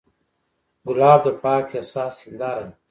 ګلاب د پاک احساس هنداره ده.